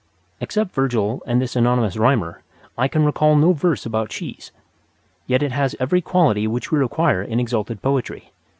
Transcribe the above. Except Virgil and this anonymous rhymer, I can recall no verse about cheese. Yet it has every quality which we require in exalted poetry.